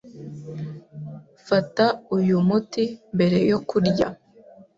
Fata uyu muti mbere yo kurya.